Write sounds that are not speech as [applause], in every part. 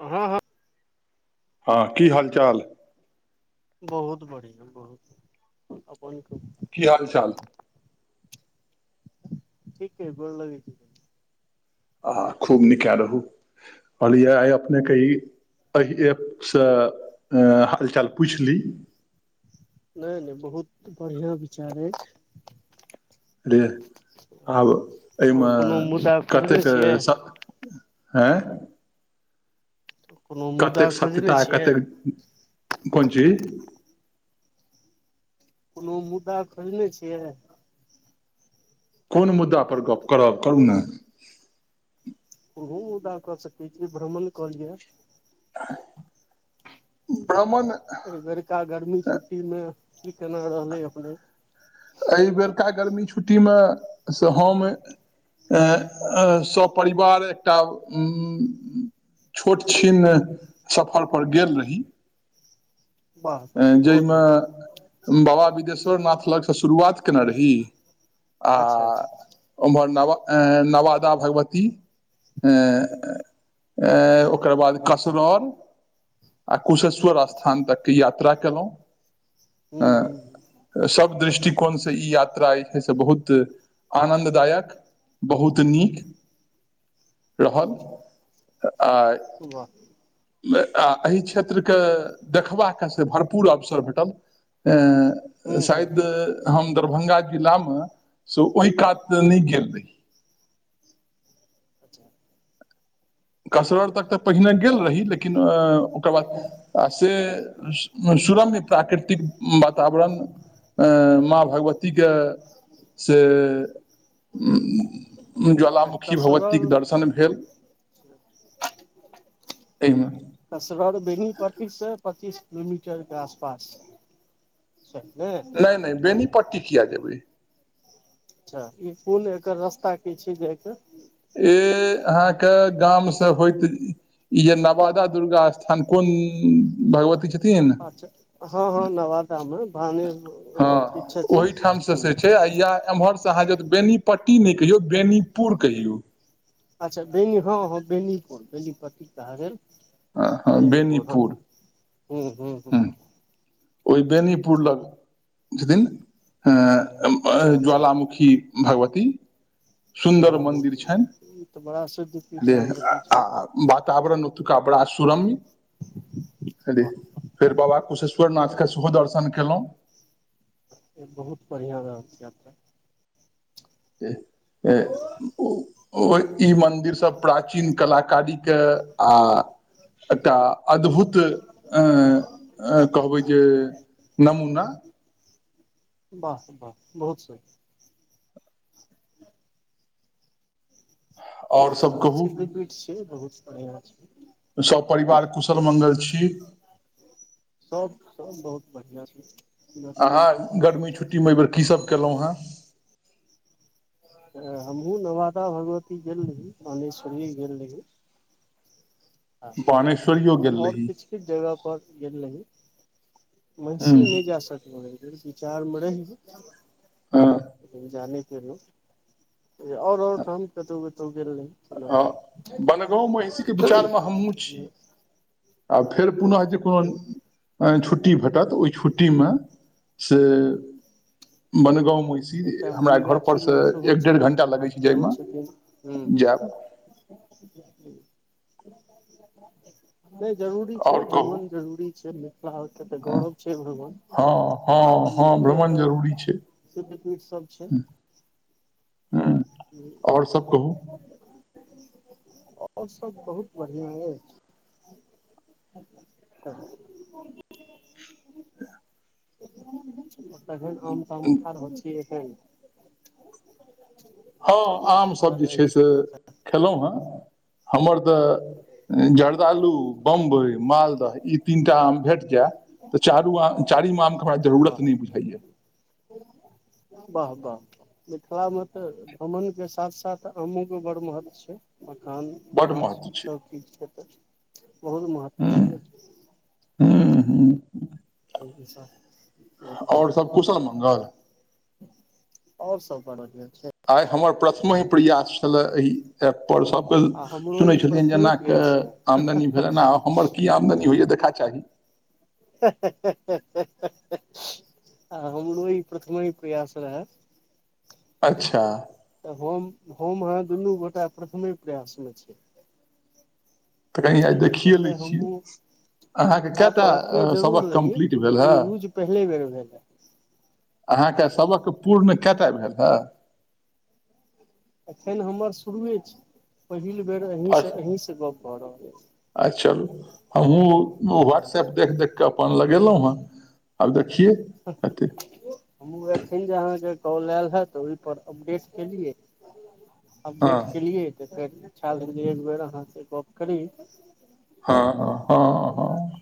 हँ हँ हँ की हाल चाल बहुत बढ़िआ बहुत अपन कहु की हाल चाल ठीक अइ गोर लगै छी आहा खूब निकए रहू कहलियै आइ अपने कही एहि ऐपसँ हालचाल पूछ ली नहि नहि बहुत बढ़िआँ विचार अछि रे आब आओर एहिमे कोनो मुद्दा खोजने कतेक छियै स हैय कोनो मुद्दा कतेक खोजने सत्यता छियै कतेक कोन चीज कोनो मुद्दा खोजने छियै कोन मुद्दा पर गप करब करू ने ओहु मुदा कऽ सकै छी भ्रमण कऽ लिय भ्रमण एहि बेरका गर्मी छुट्टीमे की केना रहलै अपने एहि बेरका गर्मी छुट्टी मे से हम एँ आ सपरिवार एकटा उ छोटछिन सफरपर गेल रही वाह वाह बहुत जहिमे बढ़िया बाबा बिदेश्वरनाथ लग सँ शुरुआत केने रही आ अच्छा अच्छा ओमहर नव नवादा भगवती एँ एँ ओकर बाद कसरर आ कुशेश्वर अच्छा स्थान तक यात्रा केलौ ह्म ह्म कोन से ई यात्रा अइ छै जे से बहुत आनन्ददायक बहुत नीक रहल हूँ आ वाह आ एहि क्षेत्रके देखबाक से भरपूर अवसर भेटल ए हूँ हूँ शायद हम दरभंगा जिला मे से ओहि कात नहि गेल रहि [inaudible] कसरर तक तऽ पहिने गेल रही लेकिन ओकर बाद से सू दुरम प्राकृतिक वातावरण अ माँ भगवती के से उम उम अच्छा ज्वालामुखी भगवतीके कसरल दर्शन भेल एहिमे कसरर बेनीपट्टी से पच्चीस किलोमीटर के आसपास छैन नै पटटी किया जेबै अच्छा ई कून एकर रास्ता की छै जाके ए अहाँके गाम से होइत इजे नवादा दुर्गा स्थान कोन इ भगवती छथि अच्छा हँ हँ नवादा मे भाने हँ किछ छथिन ओहिठाम से ह से छै आ य एमहर सहाज बेनीपट्टी नहि कहियौ बेनीपुर कहियौ अच्छा बेनी हँ हँ बेनीपुर बेनीपट्टी कहा गेल आ हँ बेनीपुर हू हू ह हँ ओहि बेनीपुर लग छथिन अ अच्छा अच्छा ज्वालामुखी भागवती तऽ सुन्दर मन्दिर ज्वालामुखी छैन ई तऽ बड़ा सिद्ध पीठ बेर आ भगवती आ छथि वातावरण ओतुका परासुरम्य रे वाह फेर बाबा कुशेश्वर नाथ के सेहो दर्शन केलौ बहुत बढ़िआँ रहल छै यात्रा ई मंदिर सब प्रचीन कला कादिक आ एकटा अद्भुत अ कहबै जे नमूना बाह बाह बहुत स आओर सब कहू िकड छै बहुत बढ़िआ [unintelligible] सपरिवार कुशल मङ्गल छी सब सब बहुत बढ़िआं छै गर्मी अहाँ गर्मी छुट्टीमे एहि बेेर कीसभ कयलौ है हमहुँ नवादा भगवती गेल रही कानेश्वरी गेल रही ह बानेश्वरियो गेल और रही किछ किछ जगह पर गेल रही महिसी नहि जा सकलै विचार मै रही जा नै गेलौ और और ठाम कतौ कतौ गेल रहि बनगाँव महिषी के विचार मे हम हमहु छी आ फेर पुनः जे कोनो हँ। छुट्टी छुट्टी भेटत ओहि छुट्टी मे से बनल महिसि एकटा हमरा घर पर मणिगाछी से लग सेहो एक डेर् छै घण्टा लगै छै जाइ सेहो मे छथिन हूँ हूँ जैब [unintelligible] नहि जरूरी छै आओर कहू भ्रमण जरूरी छै ले नहाउ तऽ त गौरब छै हयरो मे हँ आ हँ हँ निको भ्रमण एत जरूरी छै चित्रकुट सब छै ह्म और सब कहू और सब बहुत बढ़ियाँ अछि [inaudible] तहैन आम ताम खाँ रहल छि एखन हँ आमसब बनल जे छै से अछि खेलौ हे हमर तऽ जर्दालु बम्बई मालदह ई तीनटा आम भेट जाय तऽ चारू आम चारीम आम के हमरा जरूरत वाह नहि बुझाइया वाह वाह मिथिला में तऽ भ्रमण के साथ साथ आमो के बड़ महत्व छै मखान बड माछ महत्व सब चीज खेतै ह्म ह्म ह्म ह्म ठीक सर और सब कुशल मङगल और सब बड बढ़िया छै आइ हमर प्रथम प्रयास छल इ एप पर सबके आ हमरो सुने ई छलियनि जे प्रथमे एना के प्रयास रहै आमदनी भेल्हनि हें आ हमर की आमदनी होइया देख खा चाही हे हे हे हे हेहे हे आ हमरो इ प्रथमे ही प्रयास रहैै अच्छा तऽ हम हम आहाँ दुनू गोटा प्रथमे प्रयास में छि तऽ कनि आइ देखिए लै छियै अहाँके कए ऐप टा रखने जरूर सबक रही कम्प्लीट भेल हे लेकिन यूज पहिले बेर भेलै अहाँ के आब सबक पूर्ण कतय भेल हे एखन हमर शुरुए छी पहिल बेर अही सँ अहीँ सँ गप भऽ रहल अछि अछा चलू हमहुूँ व्हाट्सऐप अछि देख देख क अपन लगेलहुँं हेँ आब देख हमू एखइन जे अहाँ के कॉल आयल हैतऽ ओहिप अपडेट केलियै हँ अपडेट केलियै तऽ फेर इच्छा भेल जे एक बेर अहां से गप करी हँ हँ हँ हँ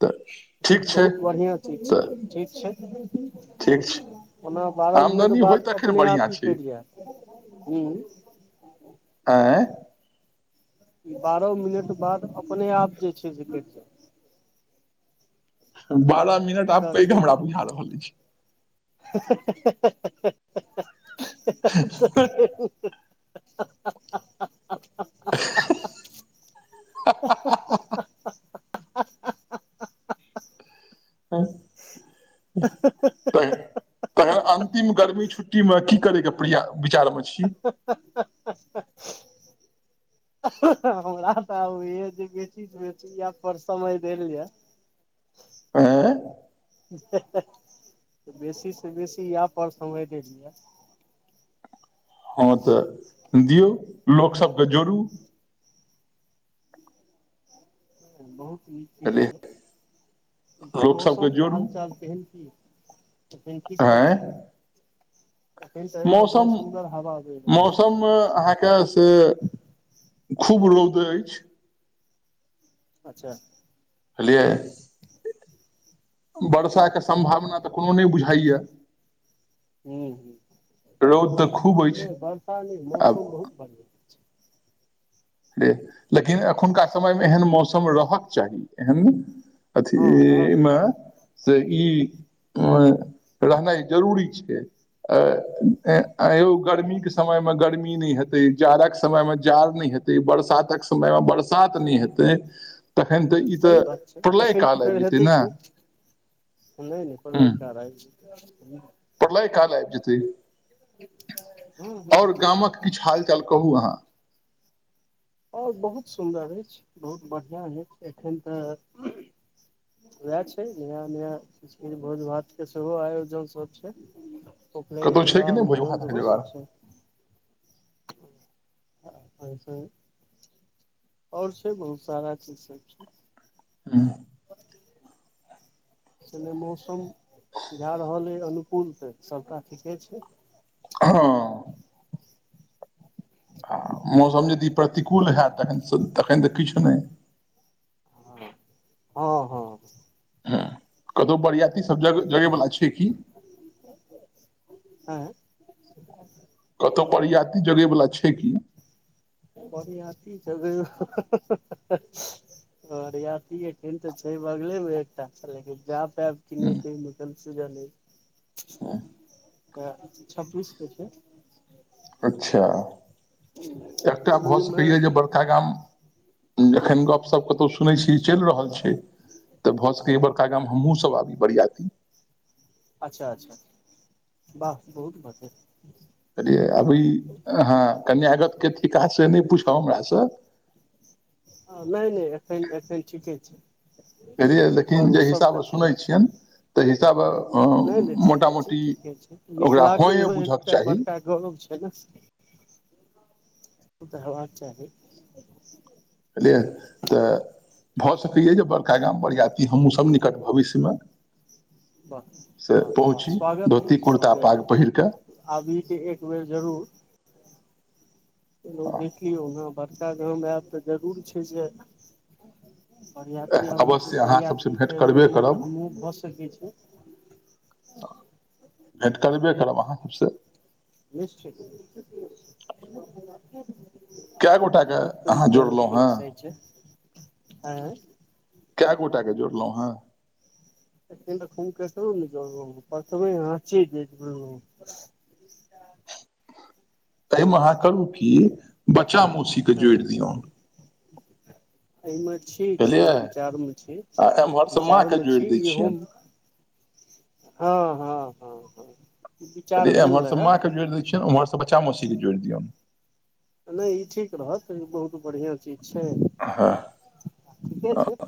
तऽ ठीक लेकिन छै बहुत बढ़िआँ चीज तऽ छै ठीक छै ठीक छै ओना बारह मिनट आमदनी होय बाद तखन अपने बढ़िआँ आप इ छै कटि जायत हूं एं बारहो मिनट बाद अपने आप जे छै से कटि जाय बारह मिनट आब एकर पैघ हमरा बुझा रहल अछि [inaudible] हा हा हा हा [inaudible] [inaudible] हँ [unintelligible] तखन अंतिम गर्मी छुट्टी में की करैके प्रया विचार में छी हमरा तऽ आब होइया जे बेसी स बेसी एह परसमय देल जाय एं बेसी से बेसी इएह पर समय देल जए हँ तऽ दियौ लोकसभके जोड़ू बहुत नीक चीज रेह छै लोकसभकेँ मौसम के जोड़ू हाल चाल केहन की तखिन कि कहै आँय छै मौसम बहि रहल अछि मौसम अहाँ के से खूब रौद अछि अच्छा बुझलियै वर्षाके सम्भावना तऽ कोनो नहि बुझाइए हूं हूं रौद तऽ खूब नै अछि बर्षा नै आब मौसम बहुत बढ़िआँ र लेकिन एखनुका समय में एहन मौसम रहक चाही एहन हँ अथी रहक में चाही से ई अ रहनाइ जरूरी छै अ यौ गर्मी के समय मे गर्मी नहि हेतै जाड़क समय में जाड़ नहि हेतै बरसातक समय में बरसात नहि हेतै तखन तऽ ई तऽ सही बात छै प्रलय तखन काल आबि फेर जेतै हेतै ने की नहि नहि प्रलय ह काल आबि प्रलय काल आबि जेतै हूं आओर हूं गामक किछु हाल चाल कहू अहाँ आओर बहुत सुन्दर अछि बहुत बढ़िआँ अछि एखन तऽ उएह छै नया नया किछ किछ भोज भातके सेहो आयोजन सब छै उपनयन कतहु छै कि विवाह नहि भोज मुड़न भातक तहो जोगाड़ सब छै आ संग संग और छै बहुत सारा चीज सब छै से नहि मौसम बुझा रहल अइ अनुकूल तऽ सबटा ठीके छै हँ [inaudible] मौसम यदि प्रतिकूल हैत तखनसन तखन तऽ किछ नहि हँ हँ हँ कतौ बरियाती सब जग जगैवला छै की [inaudible] कतहु बरियाती जगैवला छै की बरियाती जगै बरियाती एखन तऽ छै बगले मे एकटा छै लेकिन जा पैब की नहि तहिमे कन्फ्यूजन अइ तऽ छब्बीस के छै अच्छा एकटा भऽ ओहिमे सकैएा जे बड़का गाम जखन गपशप कतहु सुनै छी चैल रहल छै तऽ भऽ सकैए बड़का गाँम हमहूँ सब आबी बरियाती अच्छा अच्छा वाह बहुत बाते कहलियै अभी हँ कन्यागत के थिका से नहि पूछब हमरा सँ [inaudible] नहि नहि एतै एतै ठीके छै कहलियै एहिपर लेकिन जे ओसभ हिसाब सँ कथी सुनै लए छियन ताहि हिसाब नहि नहि मोटा ठीके छै मोटी ठीके छै ओकरा हँ मिथिलाके ए इहो बुझक एकटा चाही बड़का गौरव छै ने [inaudible] रहबाक चाही अलियएै तऽ भऽ सकैए जे बड़का गाम बरियाती हमहूँसब निकट भविष्य मे वाह वाह वाह स्वागत धोती अछि कुर्ता स्वागत पाग पहिर कऽ अछि आबी के एक बेर जरूर लोक देखियौ ओहना बड़का गाम आयब तऽ जरूर छै जे बरियती हमहुँ के अवश्य अहाँ सभसँ सरियाती भेँट के करबे रूपमे तऽ करब हमहूँ भऽ सकै छै भेट करबे करब अहाँ सभ सँ निश्चित कए गोटाके बहुत अहाँ जोड़लौ हेँ आँ कए गोटे जोड़लौ हैं एखन तो खुमककेकरो नहि जोड़लौ हैजल ब प्रथम हच [inaudible] एहिमे अहाँ करू कि बच्चा मौसी केँ हँ जोइड़ दियौन एहिमे छी छी बुझलियै विचार मे छी आ एम्हरसँ विचार माँके मे जोड़ि छी दै इहो छियनि हँ हँ हँ हँ विचार कहे भेल एम्हरसे रहए माँके जोइड़ दै छियनि ओम्हरसे बच्चा मौसीके जोइड़ दियौन नहि ई ठीक रहत ई बहुत बढ़िआं चीज छै हँ ठीके छै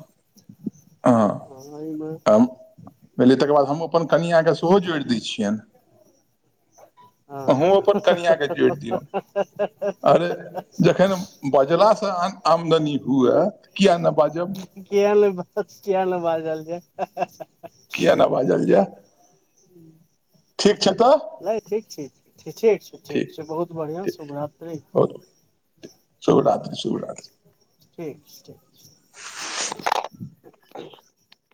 हँ एहिमे तम पहिले तकर बाद हम अपन कनिआके सेहो जोइड़ दै छियैन हँ अहूँ अपन कनिआँ के जोइड़ दियौन अरे जखन बजला सँ अन आमदनी हुए किया न किया नै बात किया नै बाजल जे किया ने बाजल जा [inaudible] नै ठीक छै ठीक छै ठीक छै बहुत बढ़िआँ शुभरात्रि शुभरात्रि शुभरात्रि छै ठीक छै [inaudible]